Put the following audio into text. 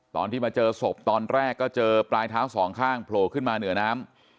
ตอนที่มาเจอศพตอนแรกก็เจอปลายเท้าสองข้างโผล่ขึ้นมาเหนือน้ำ